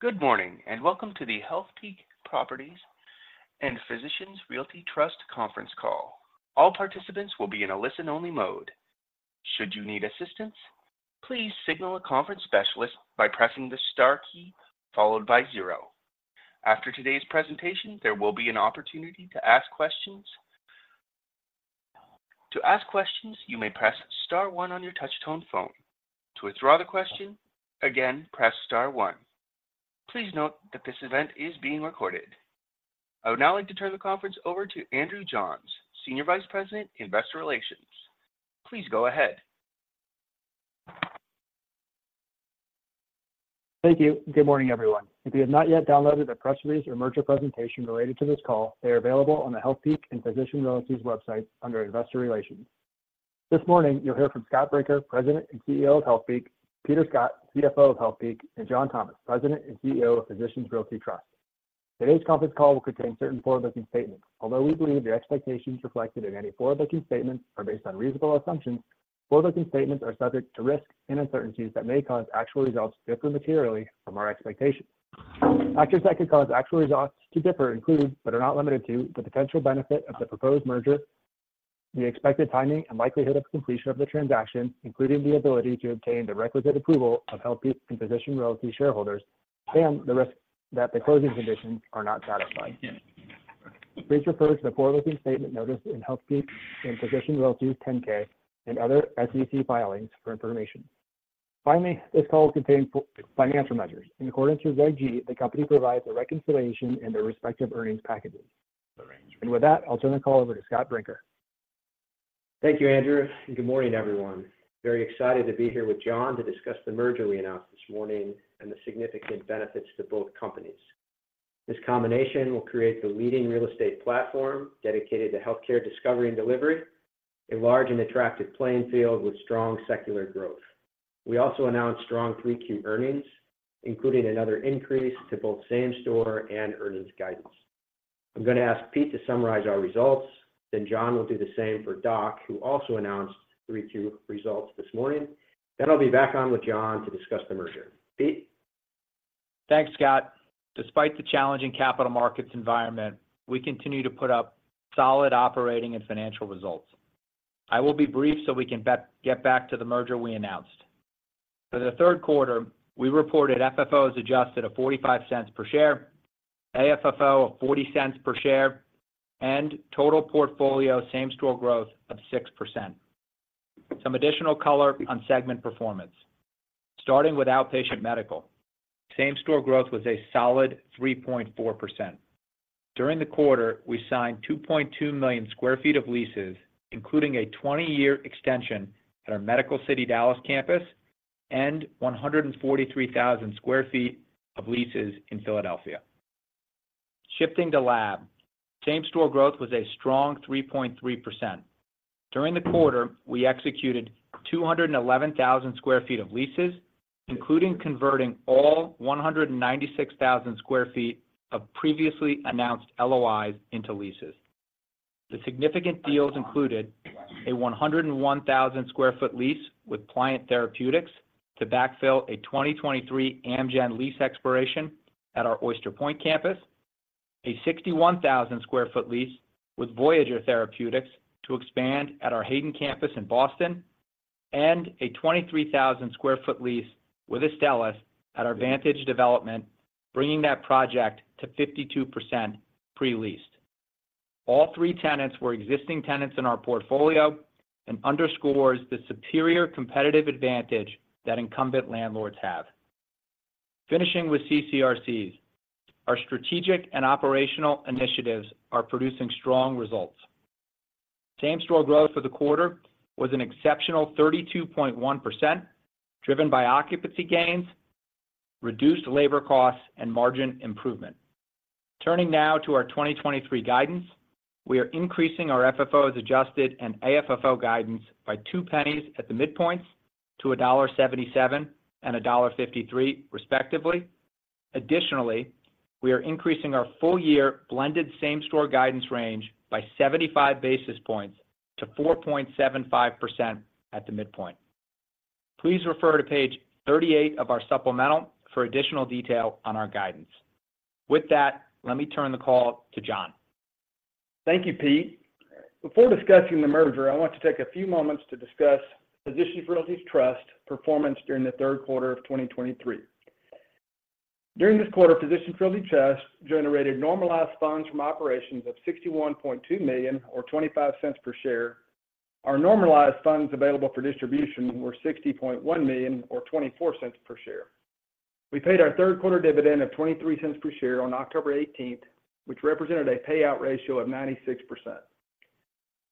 Good morning, and welcome to the Healthpeak Properties and Physicians Realty Trust conference call. All participants will be in a listen-only mode. Should you need assistance, please signal a conference specialist by pressing the star key, followed by zero. After today's presentation, there will be an opportunity to ask questions. To ask questions, you may press star one on your touch-tone phone. To withdraw the question, again, press star one. Please note that this event is being recorded. I would now like to turn the conference over to Andrew Johns, Senior Vice President, Investor Relations. Please go ahead. Thank you. Good morning, everyone. If you have not yet downloaded the press release or merger presentation related to this call, they are available on the Healthpeak and Physicians Realty's website under Investor Relations. This morning, you'll hear from Scott Brinker, President and CEO of Healthpeak; Peter Scott, CFO of Healthpeak; and John Thomas, President and CEO of Physicians Realty Trust. Today's conference call will contain certain forward-looking statements. Although we believe the expectations reflected in any forward-looking statements are based on reasonable assumptions, forward-looking statements are subject to risks and uncertainties that may cause actual results to differ materially from our expectations. Factors that could cause actual results to differ include, but are not limited to, the potential benefit of the proposed merger, the expected timing and likelihood of completion of the transaction, including the ability to obtain the requisite approval of Healthpeak and Physicians Realty shareholders, and the risk that the closing conditions are not satisfied. Please refer to the forward-looking statement notice in Healthpeak and Physicians Realty's 10-K and other SEC filings for information. Finally, this call contains financial measures. In accordance with ESG, the company provides a reconciliation in their respective earnings packages. And with that, I'll turn the call over to Scott Brinker. Thank you, Andrew, and good morning, everyone. Very excited to be here with John to discuss the merger we announced this morning and the significant benefits to both companies. This combination will create the leading real estate platform dedicated to healthcare discovery and delivery, a large and attractive playing field with strong secular growth. We also announced strong Q3 earnings, including another increase to both same-store and earnings guidance. I'm going to ask Pete to summarize our results, then John will do the same for DOC, who also announced Q3 results this morning. Then I'll be back on with John to discuss the merger. Pete? Thanks, Scott. Despite the challenging capital markets environment, we continue to put up solid operating and financial results. I will be brief so we can get back to the merger we announced. For the third quarter, we reported FFO as adjusted of $0.45 per share, AFFO of $0.40 per share, and total portfolio same-store growth of 6%. Some additional color on segment performance. Starting with outpatient medical, same-store growth was a solid 3.4%. During the quarter, we signed 2.2 million sq ft of leases, including a 20-year extension at our Medical City Dallas campus and 143,000 sq ft of leases in Philadelphia. Shifting to lab, same-store growth was a strong 3.3%. During the quarter, we executed 211,000 sq ft of leases, including converting all 196,000 sq ft of previously announced LOI into leases. The significant deals included a 101,000 sq ft lease with Pliant Therapeutics to backfill a 2023 Amgen lease expiration at our Oyster Point campus, a 61,000 sq ft lease with Voyager Therapeutics to expand at our Hayden campus in Boston, and a 23,000 sq ft lease with Astellas at our Vantage Development, bringing that project to 52% pre-leased. All three tenants were existing tenants in our portfolio and underscores the superior competitive advantage that incumbent landlords have. Finishing with CCRCs, our strategic and operational initiatives are producing strong results. Same-store growth for the quarter was an exceptional 32.1%, driven by occupancy gains, reduced labor costs, and margin improvement. Turning now to our 2023 guidance, we are increasing our FFO as adjusted and AFFO guidance by $0.02 at the midpoints to $1.77 and $1.53, respectively. Additionally, we are increasing our full-year blended same-store guidance range by 75 basis points to 4.75% at the midpoint. Please refer to page 38 of our supplemental for additional detail on our guidance. With that, let me turn the call to John. Thank you, Pete. Before discussing the merger, I want to take a few moments to discuss Physicians Realty Trust performance during the third quarter of 2023. During this quarter, Physicians Realty Trust generated normalized funds from operations of $61.2 million or $0.25 per share. Our normalized funds available for distribution were $60.1 million or $0.24 per share. We paid our third quarter dividend of $0.23 per share on October 18th, which represented a payout ratio of 96%.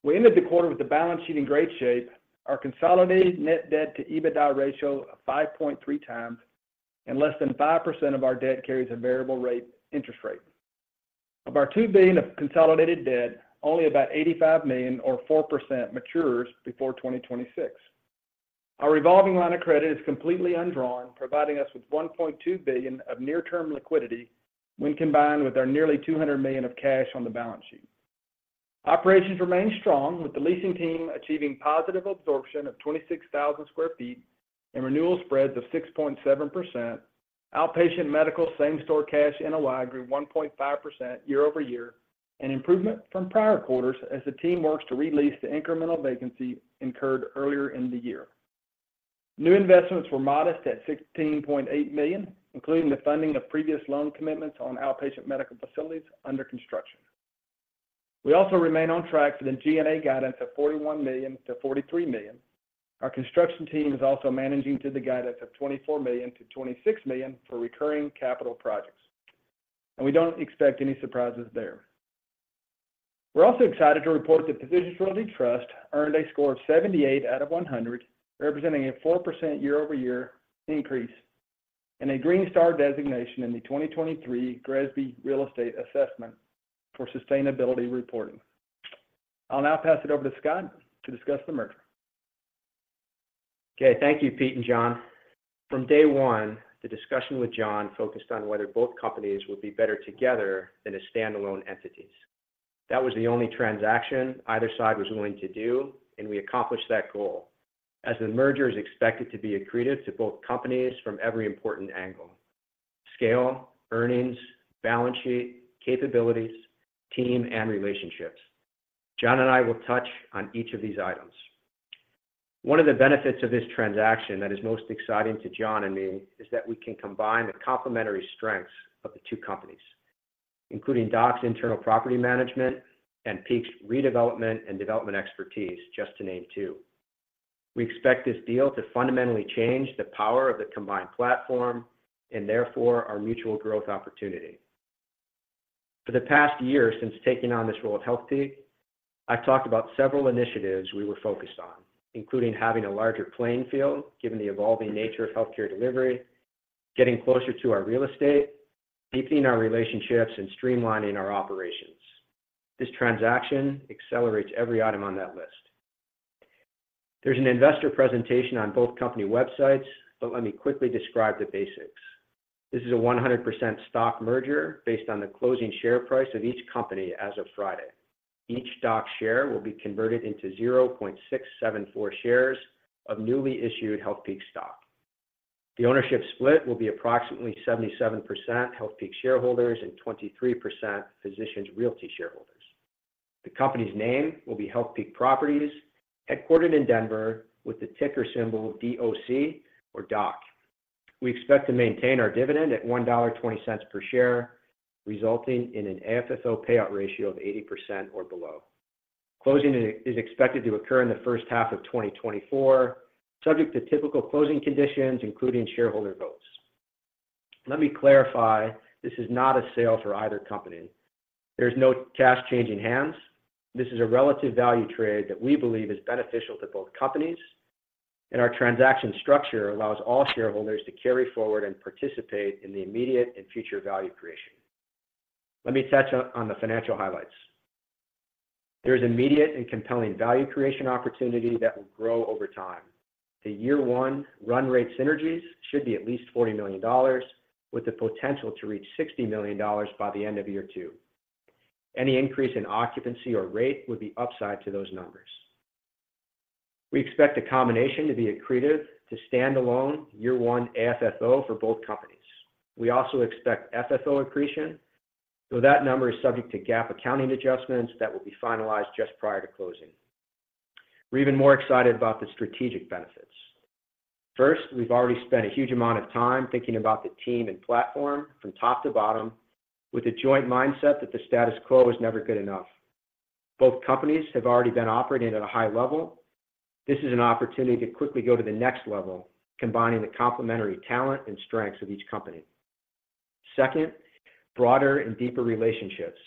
We ended the quarter with the balance sheet in great shape. Our consolidated net debt to EBITDA ratio of 5.3x, and less than 5% of our debt carries a variable rate, interest rate. Of our $2 billion of consolidated debt, only about $85 million or 4% matures before 2026. Our revolving line of credit is completely undrawn, providing us with $1.2 billion of near-term liquidity when combined with our nearly $200 million of cash on the balance sheet. Operations remain strong, with the leasing team achieving positive absorption of 26,000 sq ft and renewal spreads of 6.7%. Outpatient medical same-store cash NOI grew 1.5% year-over-year, an improvement from prior quarters as the team works to re-lease the incremental vacancy incurred earlier in the year. New investments were modest at $16.8 million, including the funding of previous loan commitments on outpatient medical facilities under construction. We also remain on track for the G&A guidance of $41 million-$43 million. Our construction team is also managing to the guidance of $24 million-$26 million for recurring capital projects, and we don't expect any surprises there. We're also excited to report that Physicians Realty Trust earned a score of 78 out of 100, representing a 4% year-over-year increase and a Green Star designation in the 2023 GRESB Real Estate Assessment for Sustainability Reporting. I'll now pass it over to Scott to discuss the merger. Okay. Thank you, Pete and John. From day one, the discussion with John focused on whether both companies would be better together than as standalone entities. That was the only transaction either side was willing to do, and we accomplished that goal, as the merger is expected to be accretive to both companies from every important angle: scale, earnings, balance sheet, capabilities, team, and relationships. John and I will touch on each of these items. One of the benefits of this transaction that is most exciting to John and me is that we can combine the complementary strengths of the two companies, including DOC's internal property management and PEAK's redevelopment and development expertise, just to name two. We expect this deal to fundamentally change the power of the combined platform and therefore our mutual growth opportunity. For the past year, since taking on this role at Healthpeak, I've talked about several initiatives we were focused on, including having a larger playing field, given the evolving nature of healthcare delivery, getting closer to our real estate, deepening our relationships, and streamlining our operations. This transaction accelerates every item on that list. There's an investor presentation on both company websites, but let me quickly describe the basics. This is a 100% stock merger based on the closing share price of each company as of Friday. Each DOC share will be converted into 0.674 shares of newly issued Healthpeak stock. The ownership split will be approximately 77% Healthpeak shareholders and 23% Physicians Realty shareholders. The company's name will be Healthpeak Properties, headquartered in Denver, with the ticker symbol D-O-C or DOC. We expect to maintain our dividend at $1.20 per share, resulting in an FFO payout ratio of 80% or below. Closing is expected to occur in the first half of 2024, subject to typical closing conditions, including shareholder votes. Let me clarify, this is not a sale for either company. There's no cash changing hands. This is a relative value trade that we believe is beneficial to both companies, and our transaction structure allows all shareholders to carry forward and participate in the immediate and future value creation. Let me touch on the financial highlights. There is immediate and compelling value creation opportunity that will grow over time. The year one run rate synergies should be at least $40 million, with the potential to reach $60 million by the end of year two. Any increase in occupancy or rate would be upside to those numbers. We expect the combination to be accretive to stand alone year one FFO for both companies. We also expect FFO accretion, though that number is subject to GAAP accounting adjustments that will be finalized just prior to closing. We're even more excited about the strategic benefits. First, we've already spent a huge amount of time thinking about the team and platform from top to bottom, with a joint mindset that the status quo is never good enough. Both companies have already been operating at a high level. This is an opportunity to quickly go to the next level, combining the complementary talent and strengths of each company. Second, broader and deeper relationships.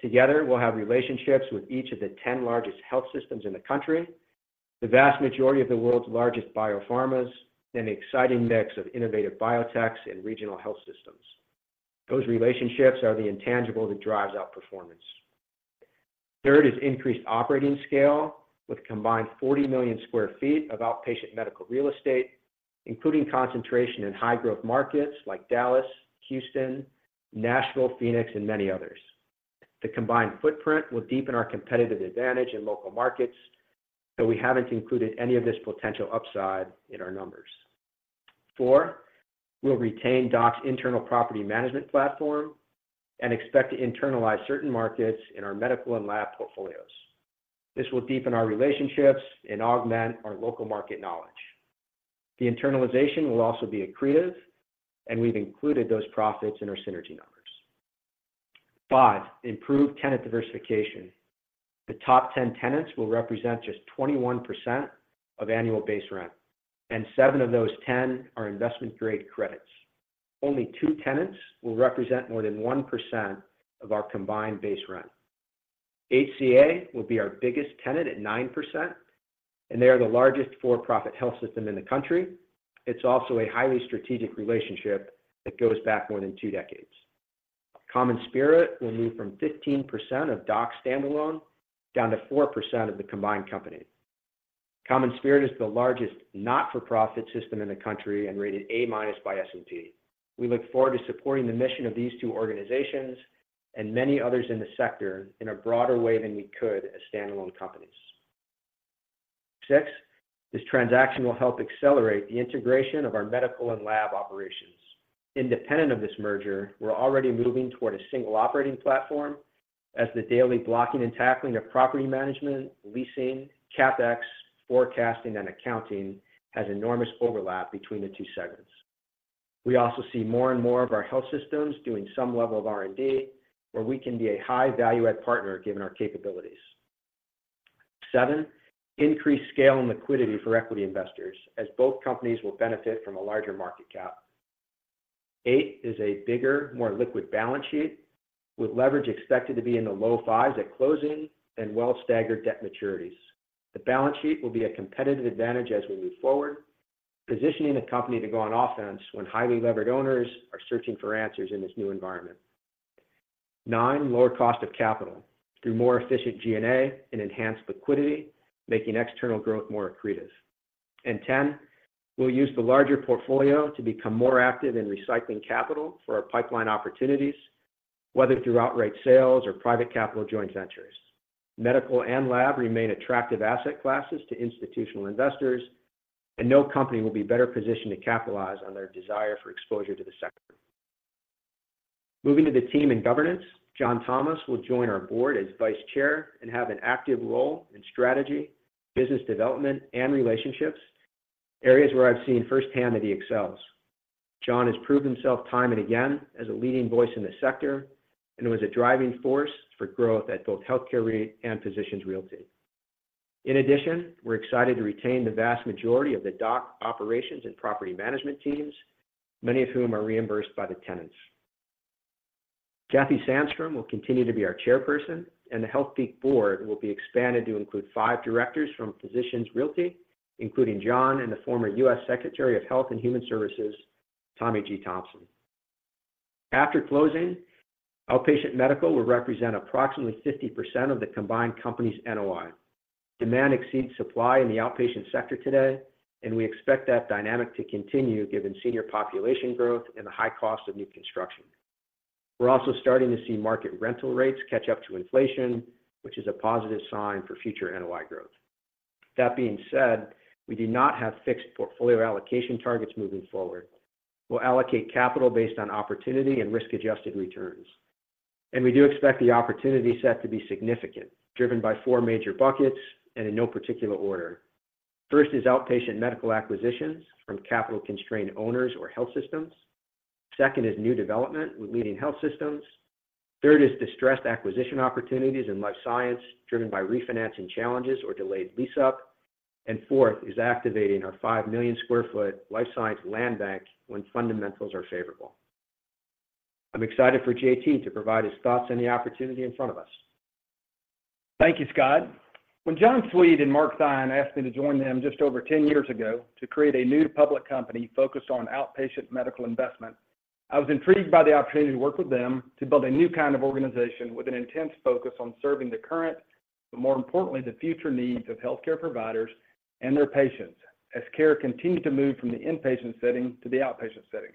Together, we'll have relationships with each of the 10 largest health systems in the country, the vast majority of the world's largest biopharmas, and an exciting mix of innovative biotechs and regional health systems. Those relationships are the intangible that drives outperformance. Third is increased operating scale, with combined 40 million sq ft of outpatient medical real estate, including concentration in high-growth markets like Dallas, Houston, Nashville, Phoenix, and many others. The combined footprint will deepen our competitive advantage in local markets, so we haven't included any of this potential upside in our numbers. Four, we'll retain DOC's internal property management platform and expect to internalize certain markets in our medical and lab portfolios. This will deepen our relationships and augment our local market knowledge. The internalization will also be accretive, and we've included those profits in our synergy numbers. Five, improved tenant diversification. The top 10 tenants will represent just 21% of annual base rent, and seven of those 10 are investment-grade credits. Only two tenants will represent more than 1% of our combined base rent. HCA will be our biggest tenant at 9%, and they are the largest for-profit health system in the country. It's also a highly strategic relationship that goes back more than two decades. CommonSpirit will move from 15% of DOC standalone down to 4% of the combined company.... CommonSpirit is the largest not-for-profit system in the country and rated A- by S&P. We look forward to supporting the mission of these two organizations and many others in the sector in a broader way than we could as standalone companies. Six, this transaction will help accelerate the integration of our medical and lab operations. Independent of this merger, we're already moving toward a single operating platform as the daily blocking and tackling of property management, leasing, CapEx, forecasting, and accounting has enormous overlap between the two segments. We also see more and more of our health systems doing some level of R&D, where we can be a high value add partner, given our capabilities. Seven, increased scale and liquidity for equity investors, as both companies will benefit from a larger market cap. Eight is a bigger, more liquid balance sheet, with leverage expected to be in the low fives at closing and well staggered debt maturities. The balance sheet will be a competitive advantage as we move forward, positioning the company to go on offense when highly levered owners are searching for answers in this new environment. Nine, lower cost of capital through more efficient G&A and enhanced liquidity, making external growth more accretive. 10, we'll use the larger portfolio to become more active in recycling capital for our pipeline opportunities, whether through outright sales or private capital joint ventures. Medical and lab remain attractive asset classes to institutional investors, and no company will be better positioned to capitalize on their desire for exposure to the sector. Moving to the team and governance, John Thomas will join our board as Vice Chair and have an active role in strategy, business development, and relationships, areas where I've seen firsthand that he excels. John has proved himself time and again as a leading voice in the sector and was a driving force for growth at both Healthcare REIT and Physicians Realty. In addition, we're excited to retain the vast majority of the DOC operations and property management teams, many of whom are reimbursed by the tenants. Kathy Sandstrom will continue to be our Chairperson, and the Healthpeak board will be expanded to include five directors from Physicians Realty, including John and the former U.S. Secretary of Health and Human Services, Tommy G. Thompson. After closing, outpatient medical will represent approximately 50% of the combined company's NOI. Demand exceeds supply in the outpatient sector today, and we expect that dynamic to continue, given senior population growth and the high cost of new construction. We're also starting to see market rental rates catch up to inflation, which is a positive sign for future NOI growth. That being said, we do not have fixed portfolio allocation targets moving forward. We'll allocate capital based on opportunity and risk-adjusted returns, and we do expect the opportunity set to be significant, driven by four major buckets and in no particular order. First is outpatient medical acquisitions from capital-constrained owners or health systems. Second is new development with leading health systems. Third is distressed acquisition opportunities in life science, driven by refinancing challenges or delayed lease-up. And fourth is activating our 5 million sq ft life science land bank when fundamentals are favorable. I'm excited for JT to provide his thoughts on the opportunity in front of us. Thank you, Scott. When John Sweet and Mark Theine asked me to join them just over ten years ago to create a new public company focused on outpatient medical investment, I was intrigued by the opportunity to work with them to build a new kind of organization with an intense focus on serving the current, but more importantly, the future needs of healthcare providers and their patients, as care continued to move from the inpatient setting to the outpatient setting.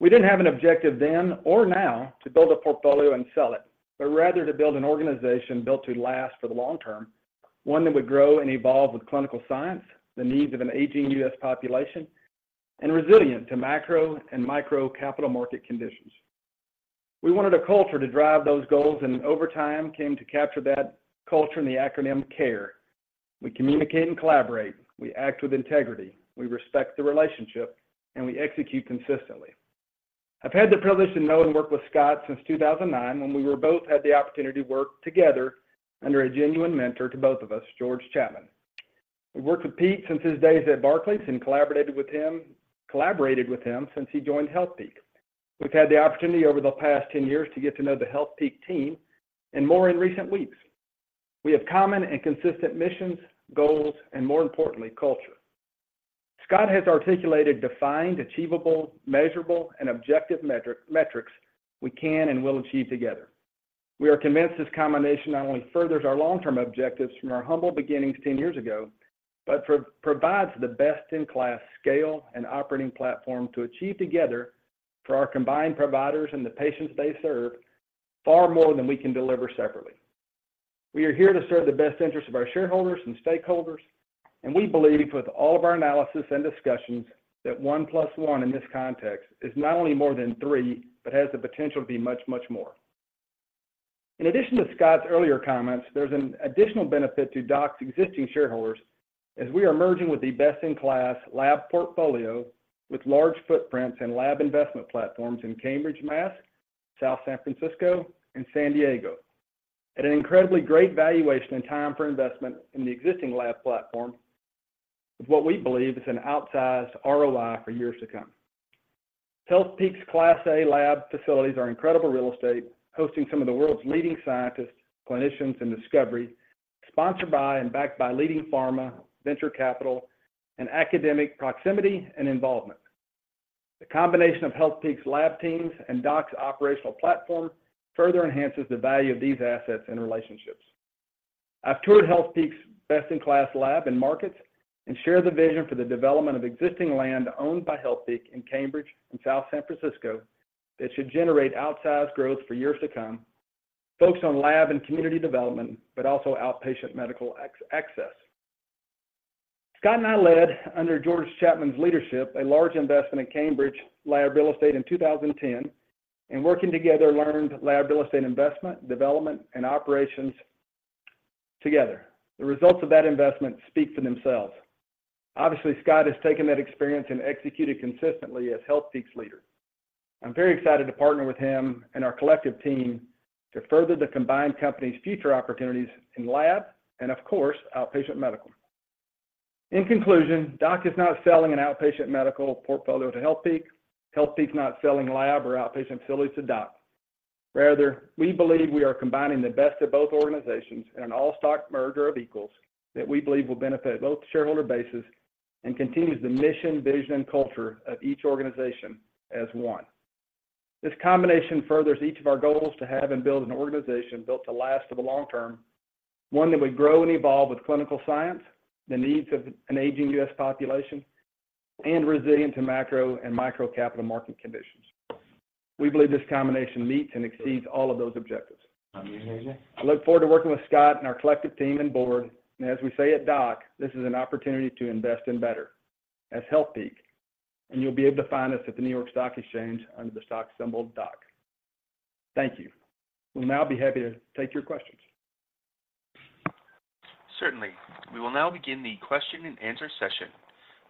We didn't have an objective then or now to build a portfolio and sell it, but rather to build an organization built to last for the long term, one that would grow and evolve with clinical science, the needs of an aging U.S. population, and resilient to macro and micro capital market conditions. We wanted a culture to drive those goals, and over time, came to capture that culture in the acronym CARE. We communicate and collaborate, we act with integrity, we respect the relationship, and we execute consistently. I've had the privilege to know and work with Scott since 2009, when we both had the opportunity to work together under a genuine mentor to both of us, George Chapman. We've worked with Pete since his days at Barclays and collaborated with him since he joined Healthpeak. We've had the opportunity over the past 10 years to get to know the Healthpeak team and more in recent weeks. We have common and consistent missions, goals, and more importantly, culture. Scott has articulated defined, achievable, measurable, and objective metrics we can and will achieve together. We are convinced this combination not only furthers our long-term objectives from our humble beginnings 10 years ago, but provides the best-in-class scale and operating platform to achieve together for our combined providers and the patients they serve, far more than we can deliver separately. We are here to serve the best interests of our shareholders and stakeholders, and we believe, with all of our analysis and discussions, that 1 + 1 in this context is not only more than three, but has the potential to be much, much more. In addition to Scott's earlier comments, there's an additional benefit to DOC's existing shareholders, as we are merging with the best-in-class lab portfolio with large footprints and lab investment platforms in Cambridge, Mass, South San Francisco, and San Diego. At an incredibly great valuation and time for investment in the existing lab platform, with what we believe is an outsized ROI for years to come. Healthpeak's Class A lab facilities are incredible real estate, hosting some of the world's leading scientists, clinicians, and discovery, sponsored by and backed by leading pharma, venture capital, and academic proximity and involvement… The combination of Healthpeak's lab teams and DOC's operational platform further enhances the value of these assets and relationships. I've toured Healthpeak's best-in-class lab and markets, and share the vision for the development of existing land owned by Healthpeak in Cambridge and South San Francisco, that should generate outsized growth for years to come. Focus on lab and community development, but also outpatient medical access. Scott and I led, under George Chapman's leadership, a large investment in Cambridge Lab Real Estate in 2010, and working together learned lab real estate investment, development, and operations together. The results of that investment speak for themselves. Obviously, Scott has taken that experience and executed consistently as Healthpeak's leader. I'm very excited to partner with him and our collective team to further the combined company's future opportunities in lab and, of course, outpatient medical. In conclusion, DOC is not selling an outpatient medical portfolio to Healthpeak. Healthpeak is not selling lab or outpatient facilities to DOC. Rather, we believe we are combining the best of both organizations in an all-stock merger of equals, that we believe will benefit both shareholder bases and continues the mission, vision, and culture of each organization as one. This combination furthers each of our goals to have and build an organization built to last for the long term, one that would grow and evolve with clinical science, the needs of an aging U.S. population, and resilient to macro and micro capital market conditions. We believe this combination meets and exceeds all of those objectives. I look forward to working with Scott and our collective team and board, and as we say at DOC, "This is an opportunity to invest in better," as Healthpeak, and you'll be able to find us at the New York Stock Exchange under the stock symbol, DOC. Thank you. We'll now be happy to take your questions. Certainly. We will now begin the question and answer session.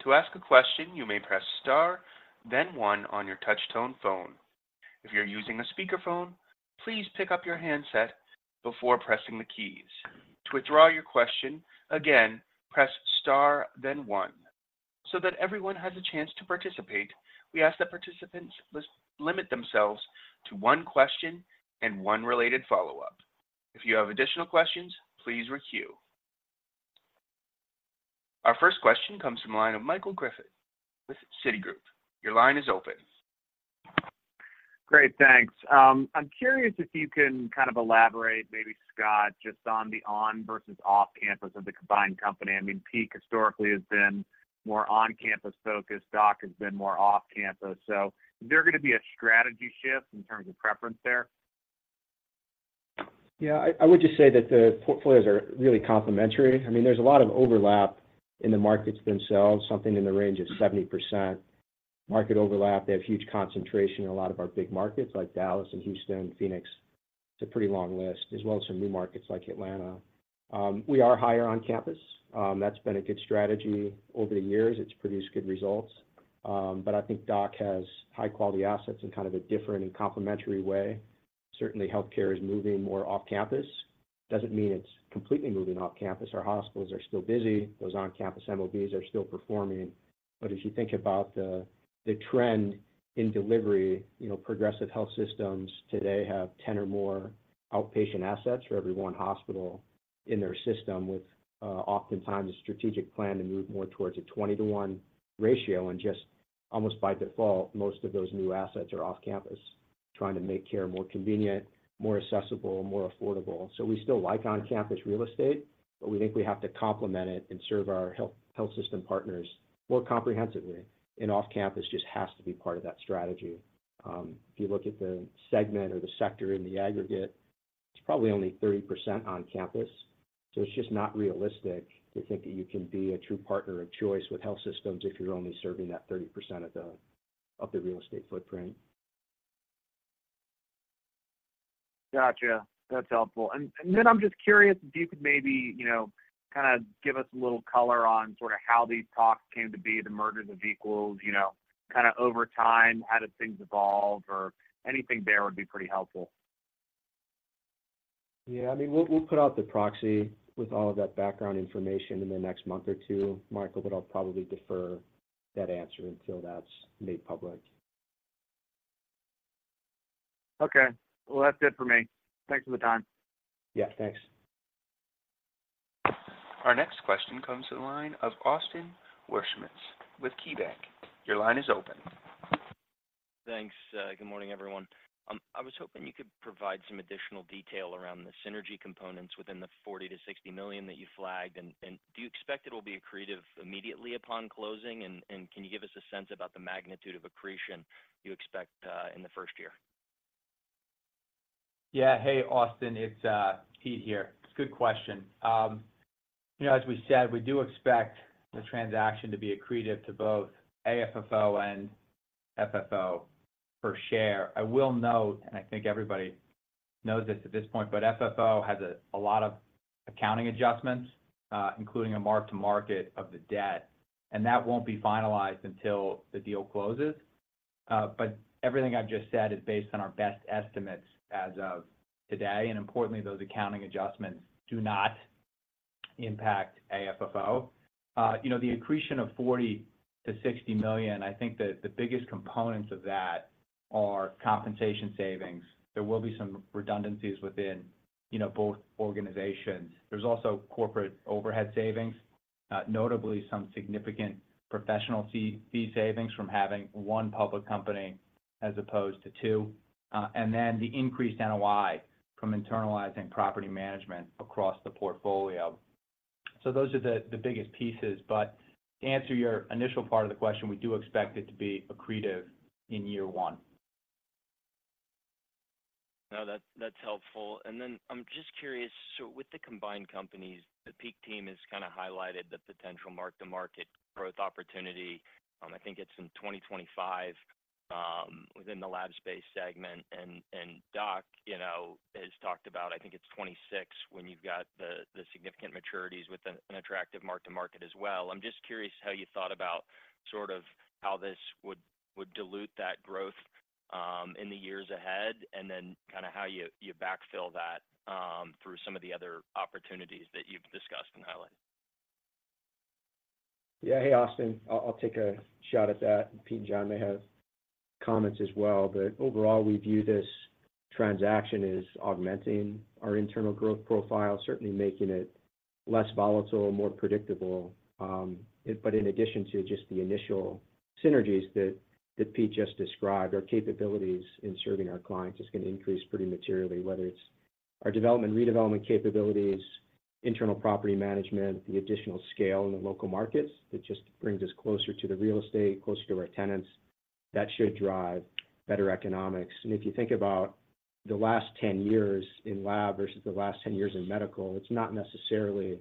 To ask a question, you may press star, then one on your touch-tone phone. If you're using a speakerphone, please pick up your handset before pressing the keys. To withdraw your question, again, press star, then one. So that everyone has a chance to participate, we ask that participants please limit themselves to one question and one related follow-up. If you have additional questions, please queue. Our first question comes from the line of Michael Griffin with Citigroup. Your line is open. Great, thanks. I'm curious if you can kind of elaborate, maybe Scott, just on the on versus off campus of the combined company. I mean, PEAK historically has been more on-campus focused, DOC has been more off-campus. So is there gonna be a strategy shift in terms of preference there? Yeah, I would just say that the portfolios are really complementary. I mean, there's a lot of overlap in the markets themselves, something in the range of 70% market overlap. They have huge concentration in a lot of our big markets, like Dallas and Houston, Phoenix. It's a pretty long list, as well as some new markets like Atlanta. We are higher on campus. That's been a good strategy over the years. It's produced good results. But I think DOC has high quality assets in kind of a different and complementary way. Certainly, healthcare is moving more off-campus. Doesn't mean it's completely moving off-campus. Our hospitals are still busy. Those on-campus MOBs are still performing. But if you think about the trend in delivery, you know, progressive health systems today have 10 or more outpatient assets for every one hospital in their system, with oftentimes a strategic plan to move more towards a 20-to-1 ratio. And just almost by default, most of those new assets are off-campus, trying to make care more convenient, more accessible, more affordable. So we still like on-campus real estate, but we think we have to complement it and serve our health system partners more comprehensively, and off-campus just has to be part of that strategy. If you look at the segment or the sector in the aggregate, it's probably only 30% on campus, so it's just not realistic to think that you can be a true partner of choice with health systems if you're only serving that 30% of the real estate footprint. Gotcha. That's helpful. And then I'm just curious if you could maybe, you know, kind of give us a little color on sort of how these talks came to be, the mergers of equals, you know, kind of over time, how did things evolve or anything there would be pretty helpful. Yeah, I mean, we'll put out the proxy with all of that background information in the next month or two, Michael, but I'll probably defer that answer until that's made public. Okay. Well, that's good for me. Thanks for the time. Yeah, thanks. Our next question comes to the line of Austin Wurschmidt with KeyBanc. Your line is open. Thanks. Good morning, everyone. I was hoping you could provide some additional detail around the synergy components within the $40 million-$60 million that you flagged, and, and do you expect it'll be accretive immediately upon closing? And, and can you give us a sense about the magnitude of accretion you expect, in the first year? Yeah. Hey, Austin, it's Pete here. Good question. You know, as we said, we do expect the transaction to be accretive to both AFFO and FFO per share. I will note, and I think everybody knows this at this point, but FFO has a lot of accounting adjustments- ...including a mark-to-market of the debt, and that won't be finalized until the deal closes. But everything I've just said is based on our best estimates as of today, and importantly, those accounting adjustments do not impact AFFO. You know, the accretion of $40 million-$60 million, I think that the biggest components of that are compensation savings. There will be some redundancies within, you know, both organizations. There's also corporate overhead savings, notably some significant professional fee, fee savings from having one public company as opposed to two. And then the increased NOI from internalizing property management across the portfolio. So those are the biggest pieces. But to answer your initial part of the question, we do expect it to be accretive in year one. No, that's helpful. And then I'm just curious, so with the combined companies, the PEAK team has kind of highlighted the potential mark-to-market growth opportunity. I think it's in 2025, within the lab space segment. And DOC, you know, has talked about. I think it's 2026, when you've got the significant maturities with an attractive mark-to-market as well. I'm just curious how you thought about sort of how this would dilute that growth, in the years ahead, and then kind of how you backfill that, through some of the other opportunities that you've discussed and highlighted. Yeah. Hey, Austin. I'll take a shot at that, and Pete and John may have comments as well. But overall, we view this transaction as augmenting our internal growth profile, certainly making it less volatile, more predictable. But in addition to just the initial synergies that Pete just described, our capabilities in serving our clients is gonna increase pretty materially. Whether it's our development and redevelopment capabilities, internal property management, the additional scale in the local markets, it just brings us closer to the real estate, closer to our tenants. That should drive better economics. And if you think about the last 10 years in lab versus the last 10 years in medical, it's not necessarily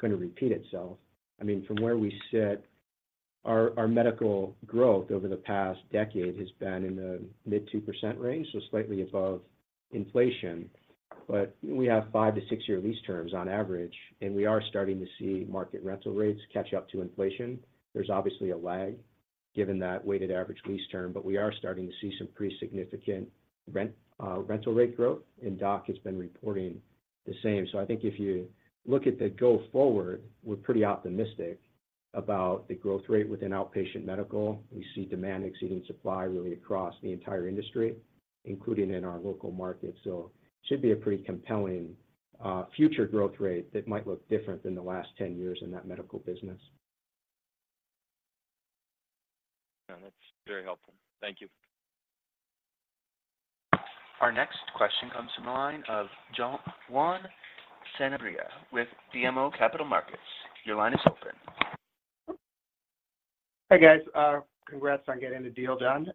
gonna repeat itself. I mean, from where we sit, our medical growth over the past decade has been in the mid-2% range, so slightly above inflation. But we have five-six-year lease terms on average, and we are starting to see market rental rates catch up to inflation. There's obviously a lag, given that weighted average lease term, but we are starting to see some pretty significant rent, rental rate growth, and DOC has been reporting the same. So I think if you look at the go forward, we're pretty optimistic about the growth rate within outpatient medical. We see demand exceeding supply really across the entire industry, including in our local market. So should be a pretty compelling, future growth rate that might look different than the last 10 years in that medical business. No, that's very helpful. Thank you. Our next question comes from the line of Juan Sanabria with BMO Capital Markets. Your line is open. Hi, guys, congrats on getting the deal done.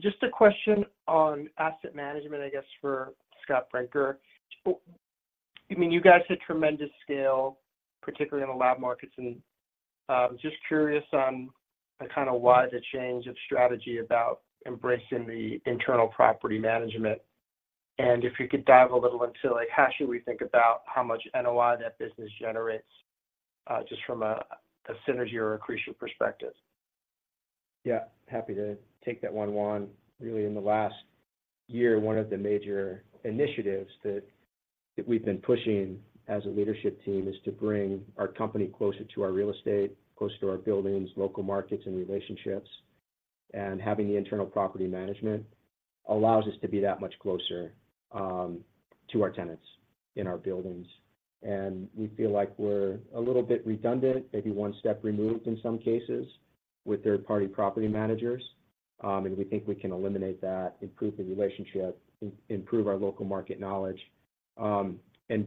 Just a question on asset management, I guess, for Scott Brinker. I mean, you guys had tremendous scale, particularly in the lab markets, and just curious on kind of why the change of strategy about embracing the internal property management. And if you could dive a little into, like, how should we think about how much NOI that business generates, just from a synergy or accretion perspective? Yeah. Happy to take that one, Juan. Really, in the last year, one of the major initiatives that we've been pushing as a leadership team is to bring our company closer to our real estate, closer to our buildings, local markets, and relationships. Having the internal property management allows us to be that much closer to our tenants in our buildings. We feel like we're a little bit redundant, maybe one step removed in some cases, with third-party property managers, and we think we can eliminate that, improve the relationship, improve our local market knowledge.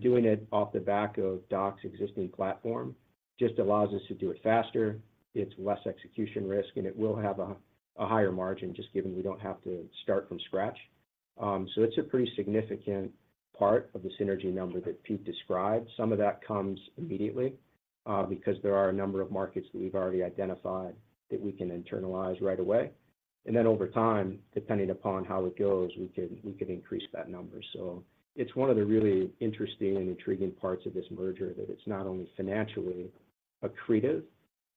Doing it off the back of DOC's existing platform just allows us to do it faster, it's less execution risk, and it will have a higher margin, just given we don't have to start from scratch. So it's a pretty significant part of the synergy number that Pete described. Some of that comes immediately, because there are a number of markets that we've already identified that we can internalize right away. And then over time, depending upon how it goes, we could, we could increase that number. So it's one of the really interesting and intriguing parts of this merger, that it's not only financially accretive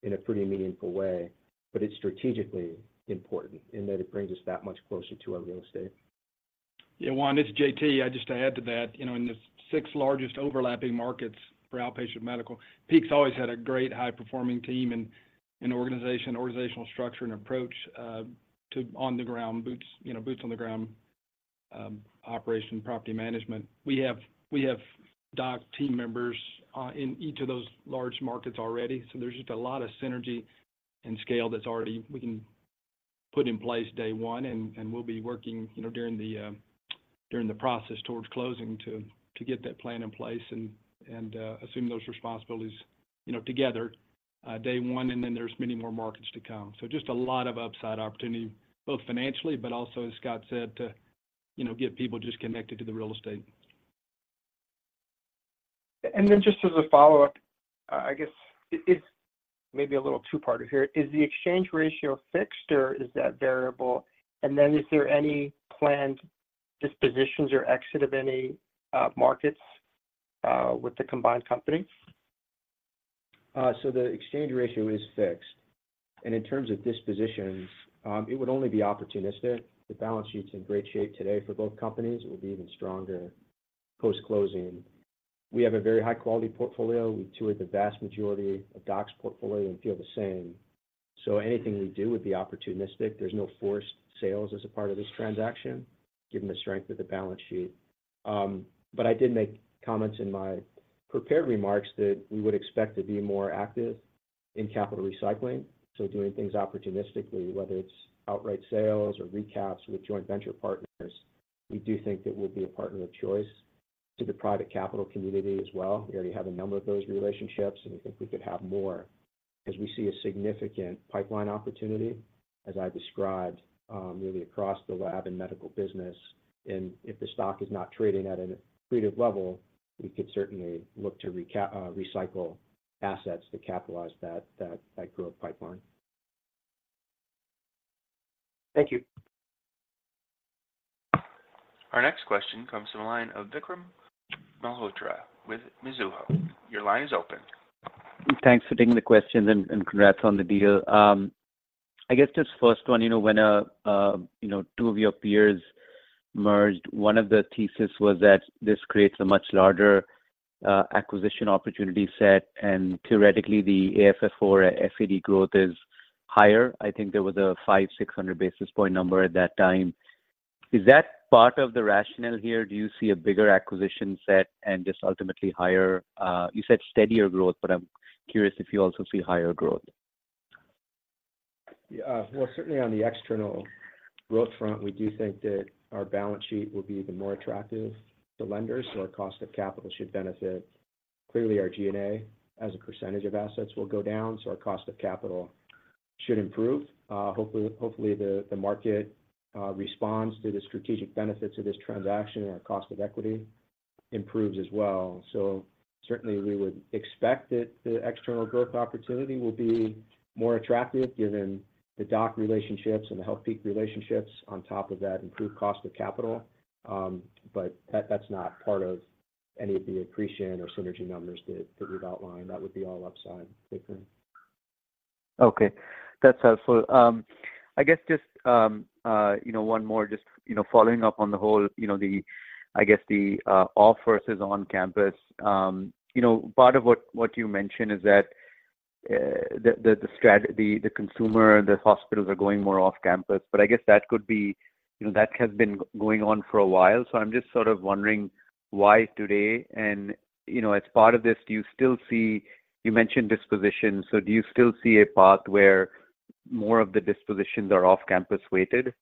in a pretty meaningful way, but it's strategically important in that it brings us that much closer to our real estate. Yeah, Juan, it's JT. Just to add to that, you know, in the six largest overlapping markets for outpatient medical, PEAK's always had a great high-performing team and, and organization, organizational structure and approach, to on the ground boots-- you know, boots on the ground, operation, property management. We have, we have DOC team members, in each of those large markets already, so there's just a lot of synergy and scale that's already we can put in place day one. And, and we'll be working, you know, during the, during the process towards closing to, to get that plan in place and, and, assume those responsibilities, you know, together, day one, and then there's many more markets to come. Just a lot of upside opportunity, both financially, but also, as Scott said, to, you know, get people just connected to the real estate. And then just as a follow-up, I guess it, it's maybe a little two-parter here. Is the exchange ratio fixed, or is that variable? And then is there any planned dispositions or exit of any, markets, with the combined company? So the exchange ratio is fixed. In terms of dispositions, it would only be opportunistic. The balance sheet's in great shape today for both companies. It will be even stronger post-closing. We have a very high-quality portfolio. We toured the vast majority of DOC's portfolio and feel the same. So anything we do would be opportunistic. There's no forced sales as a part of this transaction, given the strength of the balance sheet. But I did make comments in my prepared remarks that we would expect to be more active in capital recycling, so doing things opportunistically, whether it's outright sales or recaps with joint venture partners. We do think that we'll be a partner of choice to the private capital community as well. We already have a number of those relationships, and we think we could have more, as we see a significant pipeline opportunity, as I described, really across the lab and medical business. If the stock is not trading at an accretive level, we could certainly look to recycle assets to capitalize that growth pipeline. Thank you. Our next question comes from the line of Vikram Malhotra with Mizuho. Your line is open. Thanks for taking the questions, and, and congrats on the deal. I guess just first one, you know, when you know, two of your peers merged, one of the thesis was that this creates a much larger acquisition opportunity set, and theoretically, the AFFO FFO growth is higher. I think there was a 500-600 basis points number at that time. Is that part of the rationale here? Do you see a bigger acquisition set and just ultimately higher... You said steadier growth, but I'm curious if you also see higher growth. Yeah, well, certainly on the external growth front, we do think that our balance sheet will be even more attractive to lenders, so our cost of capital should benefit. Clearly, our G&A, as a percentage of assets, will go down, so our cost of capital should improve. Hopefully, hopefully, the, the market, responds to the strategic benefits of this transaction, and our cost of equity improves as well. So certainly we would expect that the external growth opportunity will be more attractive, given the DOC relationships and the Healthpeak relationships on top of that improved cost of capital. But that's not part of any of the accretion or synergy numbers that, that we've outlined. That would be all upside, Vikram. Okay. That's helpful. I guess just, you know, one more just, you know, following up on the whole, you know, the, I guess the off versus on-campus. You know, part of what you mentioned is that, the strategy, the consumer, the hospitals are going more off-campus, but I guess that could be- You know, that has been going on for a while, so I'm just sort of wondering why today? And, you know, as part of this, do you still see... You mentioned dispositions, so do you still see a path where more of the dispositions are off-campus weighted?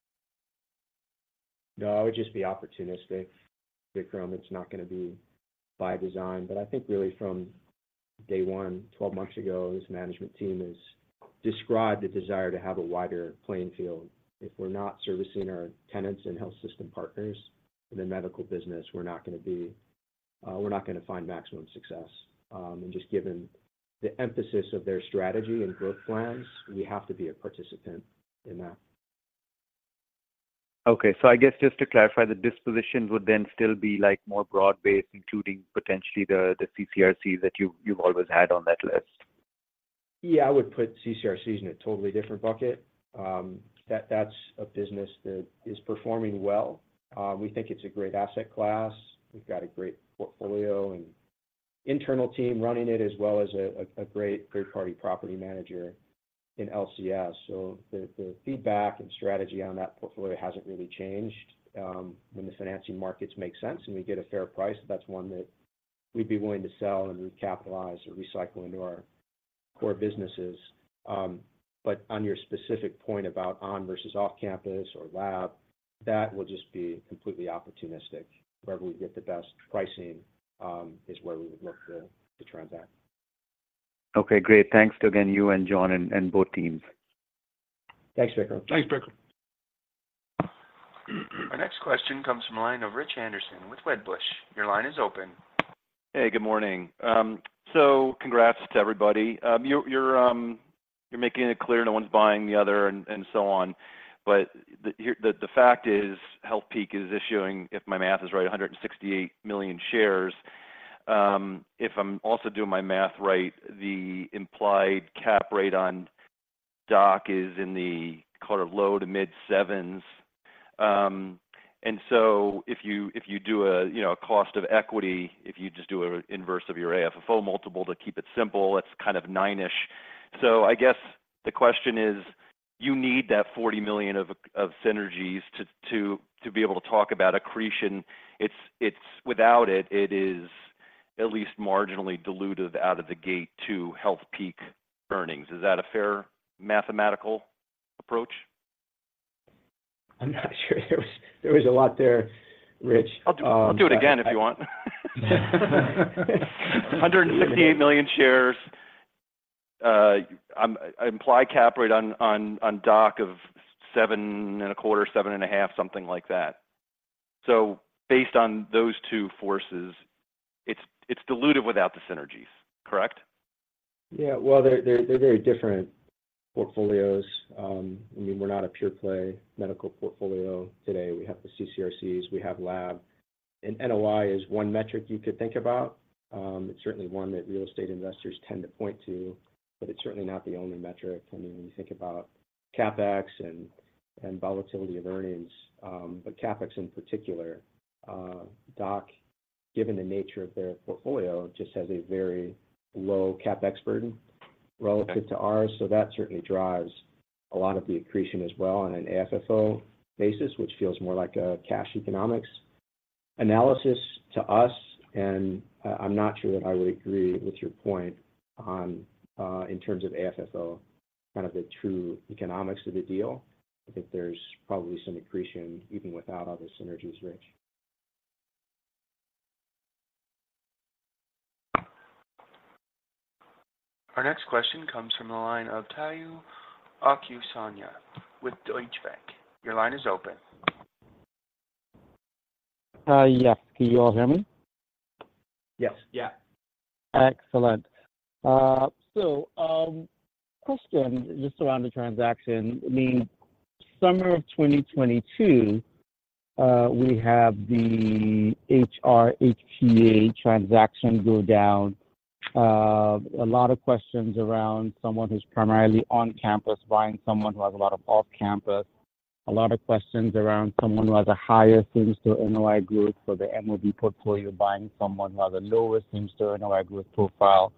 No, it would just be opportunistic, Vikram. It's not gonna be by design. But I think really from day one, 12 months ago, this management team has described the desire to have a wider playing field. If we're not servicing our tenants and health system partners in the medical business, we're not gonna be, we're not gonna find maximum success. And just given the emphasis of their strategy and growth plans, we have to be a participant in that. Okay. So I guess just to clarify, the dispositions would then still be, like, more broad-based, including potentially the CCRC that you've always had on that list? Yeah, I would put CCRCs in a totally different bucket. That, that's a business that is performing well. We think it's a great asset class. We've got a great portfolio and internal team running it, as well as a great third-party property manager in LCS. So the feedback and strategy on that portfolio hasn't really changed. When the financing markets make sense and we get a fair price, that's one that we'd be willing to sell and recapitalize or recycle into our core businesses. But on your specific point about on versus off-campus or lab, that will just be completely opportunistic. Wherever we get the best pricing is where we would look to transact. Okay, great. Thanks again, you and John and both teams. Thanks, Vikram. Thanks, Vikram. Our next question comes from the line of Rich Anderson with Wedbush. Your line is open. Hey, good morning. So congrats to everybody. You're making it clear no one's buying the other and so on, but the fact is, Healthpeak is issuing, if my math is right, 168 million shares. If I'm also doing my math right, the implied cap rate on DOC is in the kind of low to mid sevens. And so if you do a, you know, a cost of equity, if you just do an inverse of your AFFO multiple to keep it simple, it's kind of nine-ish. So I guess the question is: you need that $40 million of synergies to be able to talk about accretion. It's without it, it is at least marginally dilutive out of the gate to Healthpeak earnings. Is that a fair mathematical approach? I'm not sure. There was a lot there, Rich. I'll do it again if you want. 168 million shares, implied cap rate on DOC of 7.25%-7.5%, something like that. So based on those two forces, it's diluted without the synergies, correct? Yeah. Well, they're very different portfolios. I mean, we're not a pure play medical portfolio today. We have the CCRCs, we have lab, and NOI is one metric you could think about. It's certainly one that real estate investors tend to point to, but it's certainly not the only metric. I mean, when you think about CapEx and volatility of earnings, but CapEx in particular, given the nature of their portfolio, just has a very low CapEx burden relative to ours. So that certainly drives a lot of the accretion as well on an AFFO basis, which feels more like a cash economics analysis to us. And, I'm not sure that I would agree with your point on, in terms of AFFO, kind of the true economics of the deal. I think there's probably some accretion, even without all the synergies, Rich. Our next question comes from the line of Tayo Okusanya with Deutsche Bank. Your line is open. Yes. Can you all hear me? Yes. Yeah. Excellent. So, question just around the transaction. I mean, summer of 2022, we have the HR HCA transaction go down. A lot of questions around someone who's primarily on campus buying someone who has a lot of off-campus. A lot of questions around someone who has a higher SIMS to NOI group, so the MOB portfolio buying someone who has a lower SIMS to NOI group profile.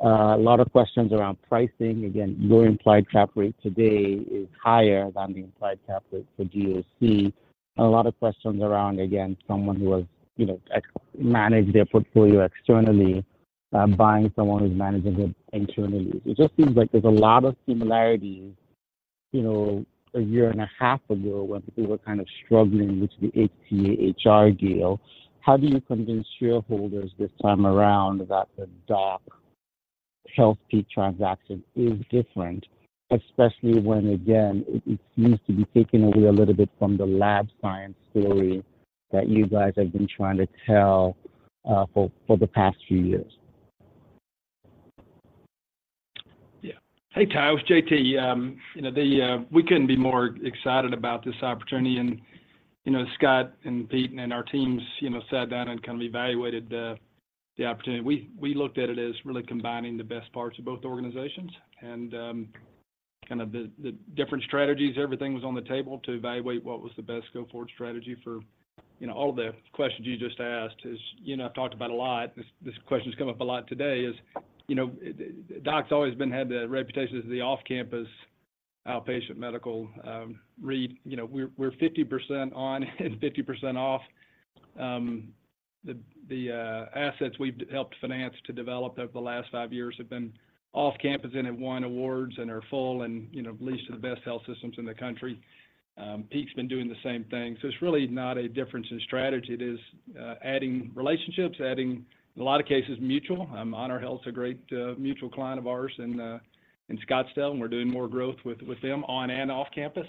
A lot of questions around pricing. Again, your implied cap rate today is higher than the implied cap rate for DOC. A lot of questions around, again, someone who has, you know, ex- managed their portfolio externally, buying someone who's managing it internally. It just seems like there's a lot of similarities, you know, a year and a half ago, when people were kind of struggling with the HCA HR deal. How do you convince shareholders this time around that the DOC Healthpeak transaction is different? Especially when, again, it seems to be taking away a little bit from the life science story that you guys have been trying to tell, for the past few years. Yeah. Hey, Tayo, it's J.T. You know, we couldn't be more excited about this opportunity and, you know, Scott and Pete and our teams, you know, sat down and kind of evaluated the opportunity. We looked at it as really combining the best parts of both organizations and, you know, kind of the different strategies. Everything was on the table to evaluate what was the best go-forward strategy for, you know, all of the questions you just asked. As you know, I've talked about a lot, this question has come up a lot today, is, you know, DOC's always been, had the reputation as the off-campus outpatient medical. You know, we're 50% on and 50% off. The assets we've helped finance to develop over the last five years have been off campus, and have won awards and are full and, you know, leased to the best health systems in the country. PEAK's been doing the same thing. It's really not a difference in strategy. It is adding relationships, adding, in a lot of cases, mutual. HonorHealth is a great mutual client of ours in Scottsdale, and we're doing more growth with them on and off campus.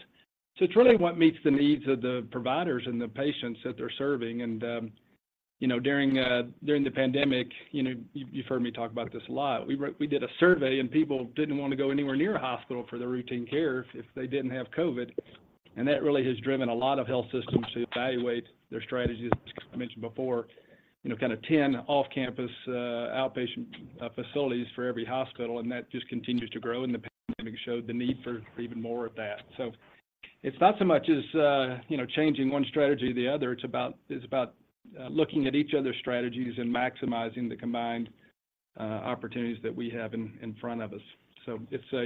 It's really what meets the needs of the providers and the patients that they're serving. You know, during the pandemic, you know, you've heard me talk about this a lot. We did a survey, and people didn't want to go anywhere near a hospital for their routine care if they didn't have COVID, and that really has driven a lot of health systems to evaluate their strategy, as I mentioned before. You know, kind of 10 off-campus, outpatient facilities for every hospital, and that just continues to grow, and the pandemic showed the need for even more of that. It's not so much as, you read, changing one strategy to the other, it's about looking at each other's strategies and maximizing the combined opportunities that we have in front of us. It's a,